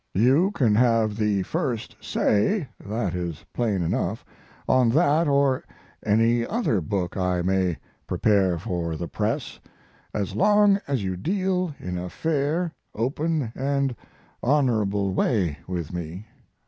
You can have the first say (that is plain enough) on that or any other book I may prepare for the press, as long as you deal in a fair, open, and honorable way with me.